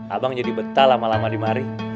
abang jadi betah lama lama di mari